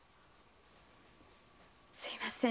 すみません。